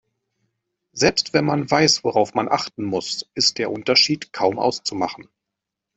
Selbst wenn man weiß, worauf man achten muss, ist der Unterschied kaum auszumachen.